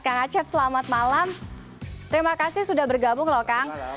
kang acep selamat malam terima kasih sudah bergabung loh kang